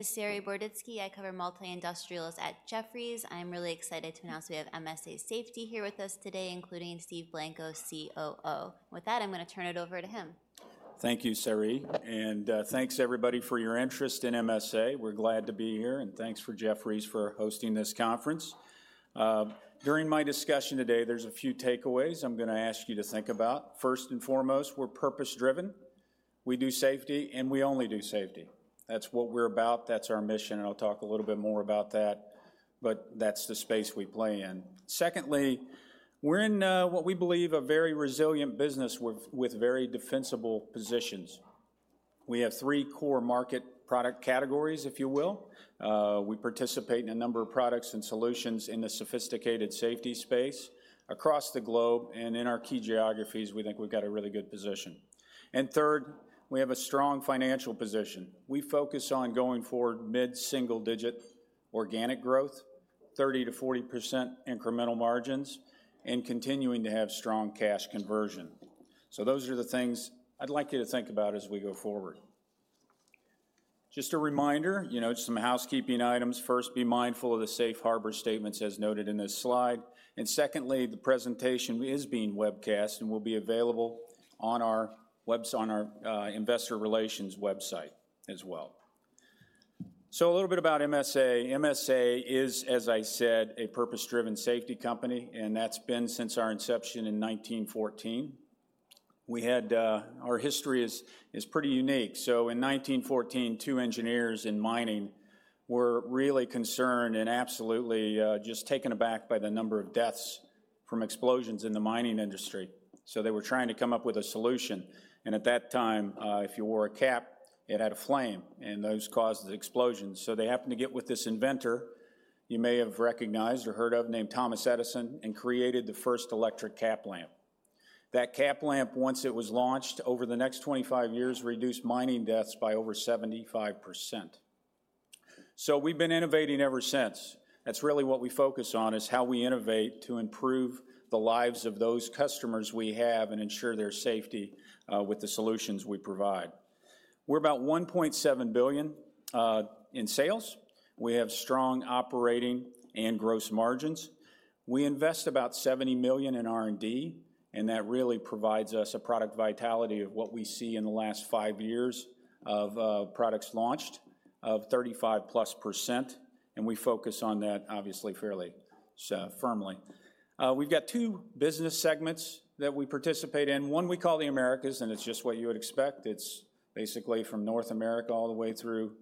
Saree Boroditsky, I cover multi-industrials at Jefferies. I'm really excited to announce we have MSA Safety here with us today, including Steve Blanco, COO. With that, I'm gonna turn it over to him. Thank you, Saree, and thanks everybody for your interest in MSA. We're glad to be here, and thanks for Jefferies for hosting this conference. During my discussion today, there's a few takeaways I'm gonna ask you to think about. First and foremost, we're purpose-driven. We do safety, and we only do safety. That's what we're about, that's our mission, and I'll talk a little bit more about that, but that's the space we play in. Secondly, we're in what we believe a very resilient business with very defensible positions. We have three core market product categories, if you will. We participate in a number of products and solutions in the sophisticated safety space across the globe, and in our key geographies, we think we've got a really good position. And third, we have a strong financial position. We focus on going forward mid-single-digit organic growth, 30%-40% incremental margins, and continuing to have strong cash conversion. So those are the things I'd like you to think about as we go forward. Just a reminder, you know, just some housekeeping items. First, be mindful of the safe harbor statements as noted in this slide. And secondly, the presentation is being webcast and will be available on our investor relations website as well. So a little bit about MSA. MSA is, as I said, a purpose-driven safety company, and that's been since our inception in 1914. We had... Our history is pretty unique. So in 1914, two engineers in mining were really concerned and absolutely just taken aback by the number of deaths from explosions in the mining industry. So they were trying to come up with a solution, and at that time, if you wore a cap, it had a flame, and those caused the explosions. So they happened to get with this inventor, you may have recognized or heard of, named Thomas Edison, and created the first electric cap lamp. That cap lamp, once it was launched, over the next 25 years, reduced mining deaths by over 75%. So we've been innovating ever since. That's really what we focus on, is how we innovate to improve the lives of those customers we have and ensure their safety, with the solutions we provide. We're about $1.7 billion in sales. We have strong operating and gross margins. We invest about $70 million in R&D, and that really provides us a product vitality of what we see in the last five years of products launched, of 35%+, and we focus on that obviously fairly firmly. We've got two business segments that we participate in. One, we call the Americas, and it's just what you would expect. It's basically from North America all the way through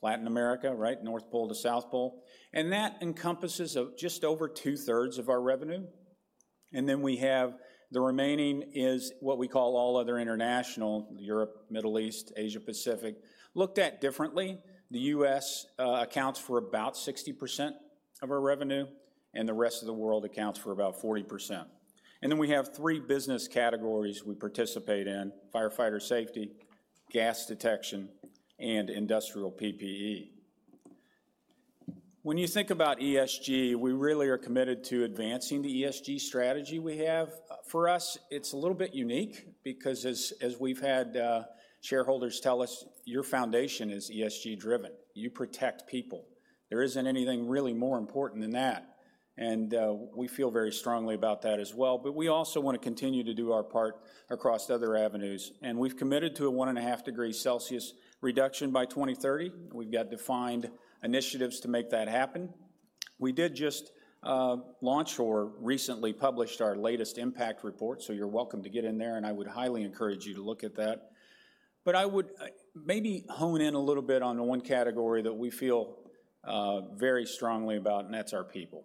Latin America, right? North Pole to South Pole. And that encompasses of just over two-thirds of our revenue. And then we have the remaining is what we call all other international, Europe, Middle East, Asia Pacific. Looked at differently, the U.S. accounts for about 60% of our revenue, and the rest of the world accounts for about 40%. And then we have three business categories we participate in: firefighter safety, gas detection, and industrial PPE. When you think about ESG, we really are committed to advancing the ESG strategy we have. For us, it's a little bit unique because as, as we've had, shareholders tell us, "Your foundation is ESG-driven. You protect people." There isn't anything really more important than that, and we feel very strongly about that as well. But we also wanna continue to do our part across other avenues, and we've committed to a 1.5 degrees Celsius reduction by 2030. We've got defined initiatives to make that happen. We did just launch or recently published our latest impact report, so you're welcome to get in there, and I would highly encourage you to look at that. But I would maybe hone in a little bit on the one category that we feel very strongly about, and that's our people.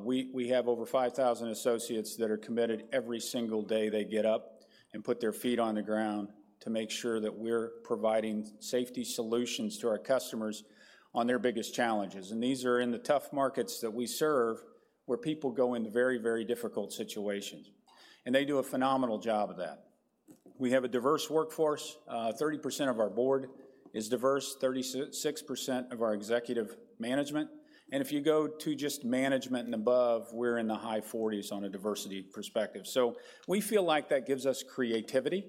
We have over 5,000 associates that are committed every single day they get up and put their feet on the ground to make sure that we're providing safety solutions to our customers on their biggest challenges, and these are in the tough markets that we serve, where people go into very, very difficult situations. And they do a phenomenal job of that. We have a diverse workforce. 30% of our board is diverse, 36% of our executive management, and if you go to just management and above, we're in the high 40s on a diversity perspective. So we feel like that gives us creativity.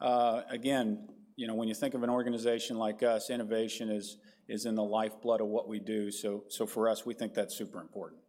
Again, you know, when you think of an organization like us, innovation is in the lifeblood of what we do, so for us, we think that's super important.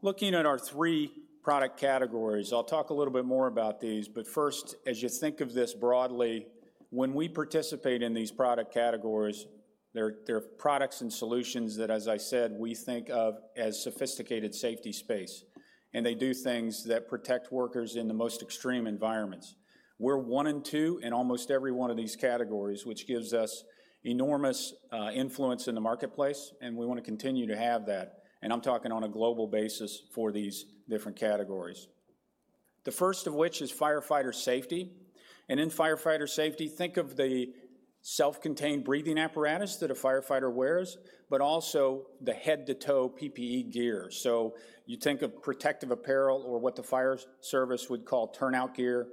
Looking at our three product categories, I'll talk a little bit more about these, but first, as you think of this broadly, when we participate in these product categories, they're products and solutions that, as I said, we think of as sophisticated safety space, and they do things that protect workers in the most extreme environments. We're one and two in almost every one of these categories, which gives us enormous influence in the marketplace, and we wanna continue to have that, and I'm talking on a global basis for these different categories. The first of which is firefighter safety, and in firefighter safety, think of the self-contained breathing apparatus that a firefighter wears, but also the head-to-toe PPE gear. So you think of protective apparel or what the fire service would call turnout gear.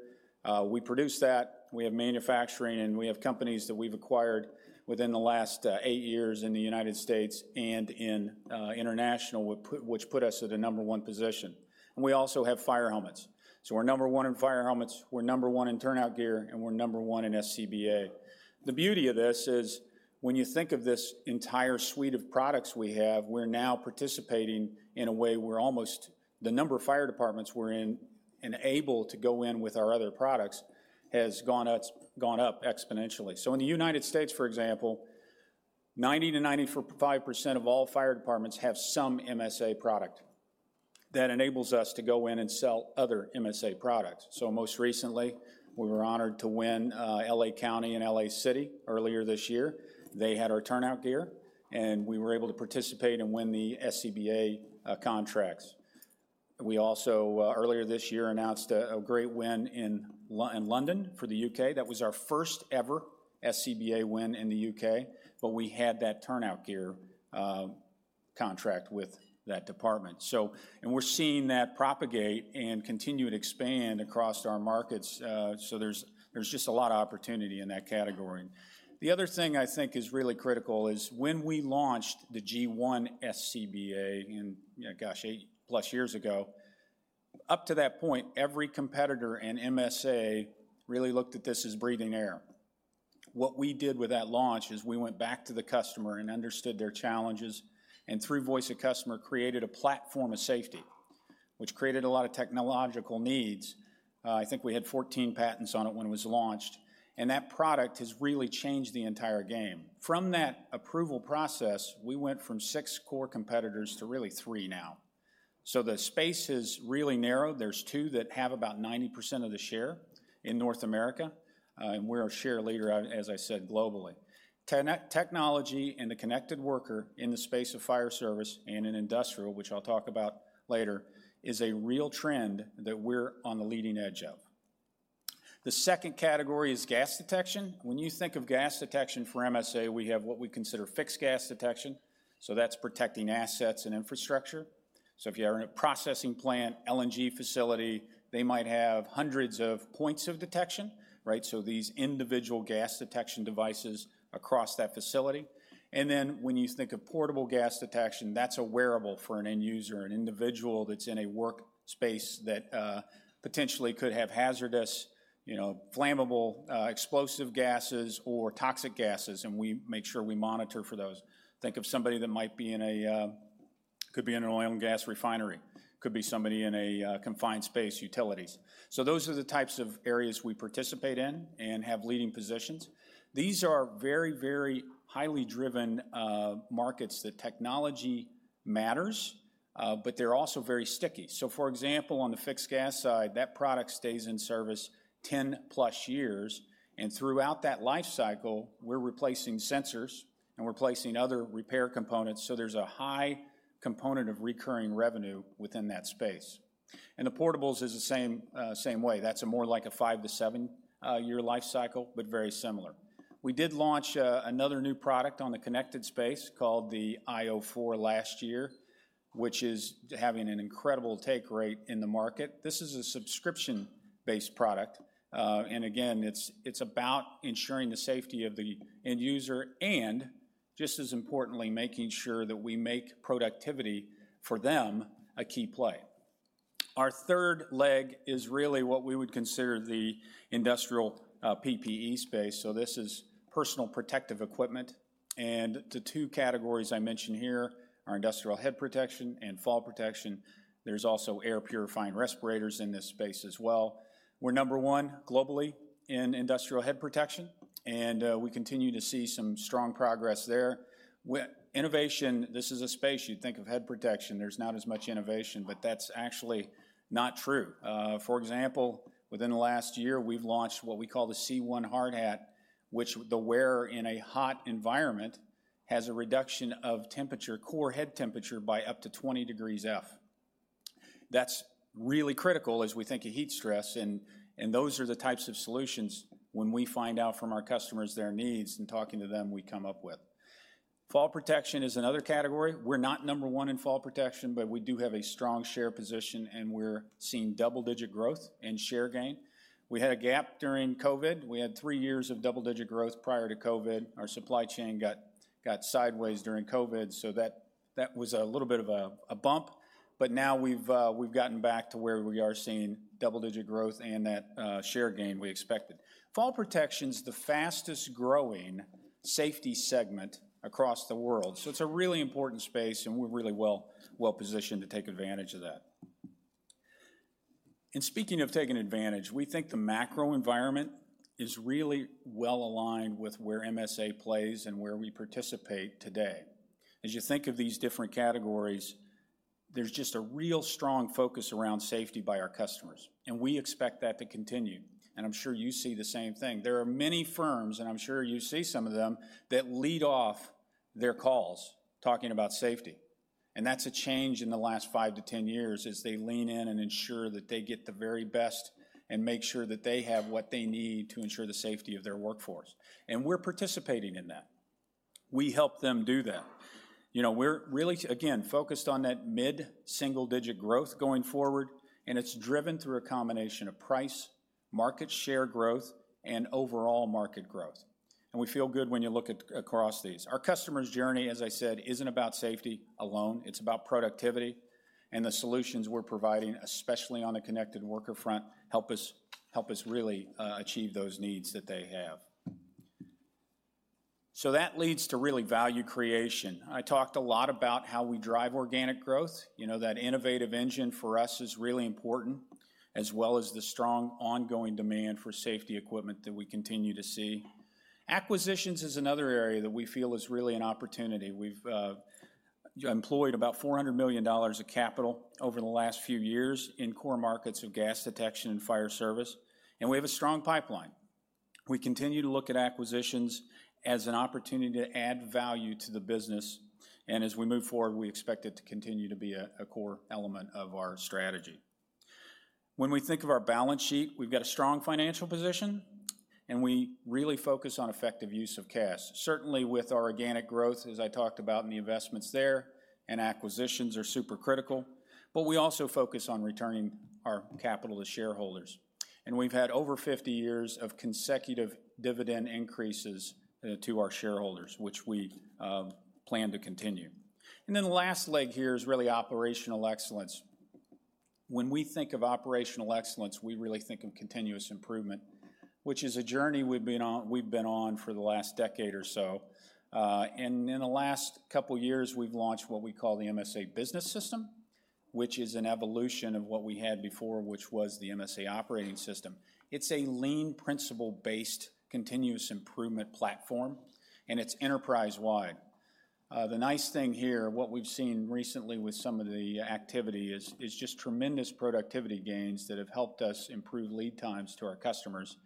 We produce that. We have manufacturing, and we have companies that we've acquired within the last eight years in the United States and in international, which put us at a number one position. And we also have fire helmets. So we're number one in fire helmets, we're number one in turnout gear, and we're number one in SCBA. The beauty of this is-... When you think of this entire suite of products we have, we're now participating in a way where almost the number of fire departments we're in and able to go in with our other products has gone up, gone up exponentially. So in the United States, for example, 90%-95% of all fire departments have some MSA product. That enables us to go in and sell other MSA products. So most recently, we were honored to win L.A. County and L.A. City earlier this year. They had our turnout gear, and we were able to participate and win the SCBA contracts. We also earlier this year announced a great win in London for the U.K. That was our first ever SCBA win in the U.K., but we had that turnout gear contract with that department. And we're seeing that propagate and continue to expand across our markets. So there's just a lot of opportunity in that category. The other thing I think is really critical is when we launched the G1 SCBA in, gosh, 8+ years ago, up to that point, every competitor in MSA really looked at this as breathing air. What we did with that launch is we went back to the customer and understood their challenges, and through voice of customer, created a platform of safety, which created a lot of technological needs. I think we had 14 patents on it when it was launched, and that product has really changed the entire game. From that approval process, we went from six core competitors to really three now. So the space is really narrow. There's two that have about 90% of the share in North America, and we're a share leader, as I said, globally. Connected technology and the connected worker in the space of fire service and in industrial, which I'll talk about later, is a real trend that we're on the leading edge of. The second category is gas detection. When you think of gas detection for MSA, we have what we consider fixed gas detection, so that's protecting assets and infrastructure. So if you're in a processing plant, LNG facility, they might have hundreds of points of detection, right? So these individual gas detection devices across that facility, and then when you think of portable gas detection, that's a wearable for an end user, an individual that's in a workspace that, potentially could have hazardous, you know, flammable, explosive gases or toxic gases, and we make sure we monitor for those. Think of somebody that might be in a, could be in an oil and gas refinery, could be somebody in a, confined space, utilities. So those are the types of areas we participate in and have leading positions. These are very, very highly driven, markets that technology matters, but they're also very sticky. So, for example, on the fixed gas side, that product stays in service 10+ years, and throughout that life cycle, we're replacing sensors and replacing other repair components, so there's a high component of recurring revenue within that space. And the portables is the same, same way. That's a more like a five to seven, year life cycle, but very similar. We did launch another new product on the connected space called the iO4 last year, which is having an incredible take rate in the market. This is a subscription-based product. And again, it's, it's about ensuring the safety of the end user and, just as importantly, making sure that we make productivity for them a key play. Our third leg is really what we would consider the industrial PPE space, so this is personal protective equipment, and the two categories I mention here are industrial head protection and fall protection. There's also air-purifying respirators in this space as well. We're number one globally in industrial head protection, and we continue to see some strong progress there. Innovation, this is a space you'd think of head protection, there's not as much innovation, but that's actually not true. For example, within the last year, we've launched what we call the C1 Hard Hat, which the wearer in a hot environment has a reduction of temperature, core head temperature, by up to 20 degrees Fahrenheit. That's really critical as we think of heat stress, and those are the types of solutions when we find out from our customers their needs and talking to them, we come up with. Fall protection is another category. We're not number one in fall protection, but we do have a strong share position, and we're seeing double-digit growth and share gain. We had a gap during COVID. We had three years of double-digit growth prior to COVID. Our supply chain got sideways during COVID, so that was a little bit of a bump, but now we've gotten back to where we are seeing double-digit growth and that share gain we expected. Fall protection's the fastest-growing safety segment across the world, so it's a really important space, and we're really well-positioned to take advantage of that. And speaking of taking advantage, we think the macro environment is really well aligned with where MSA plays and where we participate today. As you think of these different categories, there's just a real strong focus around safety by our customers, and we expect that to continue, and I'm sure you see the same thing. There are many firms, and I'm sure you see some of them, that lead off their calls talking about safety, and that's a change in the last five to ten years as they lean in and ensure that they get the very best and make sure that they have what they need to ensure the safety of their workforce, and we're participating in that. We help them do that. You know, we're really, again, focused on that mid-single digit growth going forward, and it's driven through a combination of price, market share growth, and overall market growth, and we feel good when you look at across these. Our customer's journey, as I said, isn't about safety alone. It's about productivity and the solutions we're providing, especially on the connected worker front, help us really achieve those needs that they have. So that leads to really value creation. I talked a lot about how we drive organic growth. You know, that innovative engine for us is really important, as well as the strong ongoing demand for safety equipment that we continue to see. Acquisitions is another area that we feel is really an opportunity. We've employed about $400 million of capital over the last few years in core markets of gas detection and fire service, and we have a strong pipeline. We continue to look at acquisitions as an opportunity to add value to the business, and as we move forward, we expect it to continue to be a core element of our strategy. When we think of our balance sheet, we've got a strong financial position, and we really focus on effective use of cash. Certainly, with our organic growth, as I talked about, and the investments there, and acquisitions are super critical, but we also focus on returning our capital to shareholders. We've had over 50 years of consecutive dividend increases to our shareholders, which we plan to continue. Then the last leg here is really operational excellence. When we think of operational excellence, we really think of continuous improvement, which is a journey we've been on, we've been on for the last decade or so. And in the last couple of years, we've launched what we call the MSA Business System, which is an evolution of what we had before, which was the MSA Operating System. It's a lean, principle-based, continuous improvement platform, and it's enterprise-wide. The nice thing here, what we've seen recently with some of the activity is just tremendous productivity gains that have helped us improve lead times to our customers.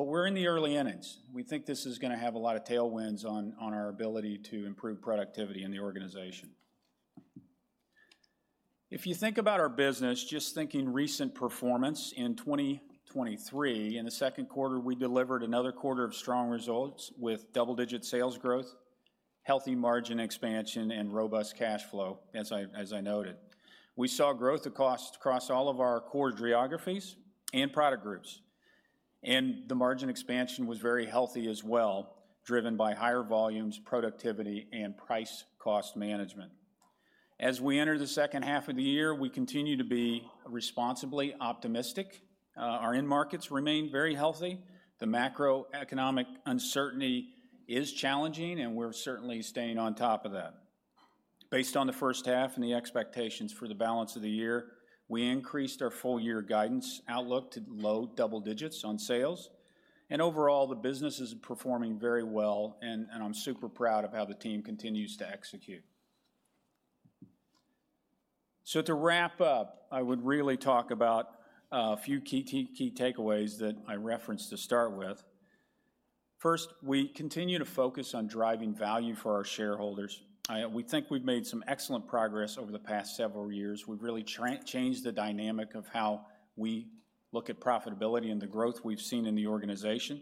But we're in the early innings. We think this is gonna have a lot of tailwinds on our ability to improve productivity in the organization. If you think about our business, just thinking recent performance in 2023, in the second quarter, we delivered another quarter of strong results with double-digit sales growth, healthy margin expansion, and robust cash flow, as I noted. We saw growth across all of our core geographies and product groups, and the margin expansion was very healthy as well, driven by higher volumes, productivity, and price cost management. As we enter the second half of the year, we continue to be responsibly optimistic. Our end markets remain very healthy. The macroeconomic uncertainty is challenging, and we're certainly staying on top of that. Based on the first half and the expectations for the balance of the year, we increased our full-year guidance outlook to low double digits on sales, and overall, the business is performing very well, and I'm super proud of how the team continues to execute. So to wrap up, I would really talk about a few key takeaways that I referenced to start with. First, we continue to focus on driving value for our shareholders. We think we've made some excellent progress over the past several years. We've really changed the dynamic of how we look at profitability and the growth we've seen in the organization,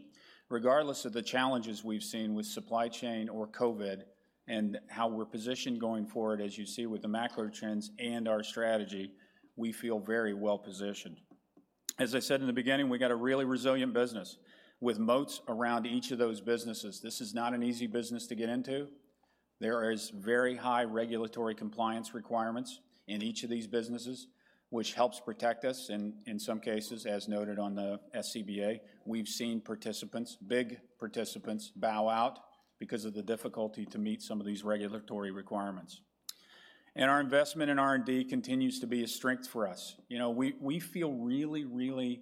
regardless of the challenges we've seen with supply chain or COVID and how we're positioned going forward, as you see with the macro trends and our strategy, we feel very well-positioned. As I said in the beginning, we got a really resilient business with moats around each of those businesses. This is not an easy business to get into. There is very high regulatory compliance requirements in each of these businesses, which helps protect us in some cases, as noted on the SCBA. We've seen participants, big participants, bow out because of the difficulty to meet some of these regulatory requirements. And our investment in R&D continues to be a strength for us. You know, we feel really, really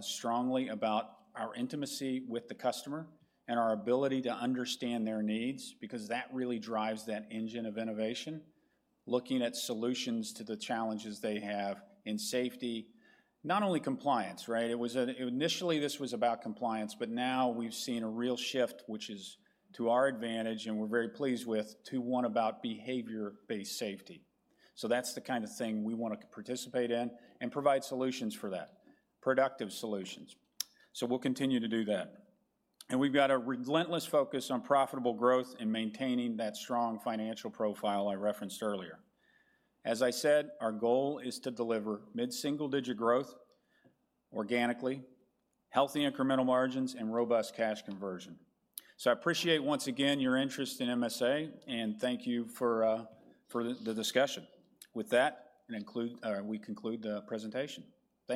strongly about our intimacy with the customer and our ability to understand their needs, because that really drives that engine of innovation, looking at solutions to the challenges they have in safety, not only compliance, right? It was initially this was about compliance, but now we've seen a real shift which is to our advantage, and we're very pleased with to one about behavior-based safety. So that's the kind of thing we want to participate in and provide solutions for that, productive solutions. So we'll continue to do that. And we've got a relentless focus on profitable growth and maintaining that strong financial profile I referenced earlier. As I said, our goal is to deliver mid-single-digit growth organically, healthy incremental margins, and robust cash conversion. So I appreciate once again your interest in MSA, and thank you for the discussion. With that, include, we conclude the presentation. Thank you.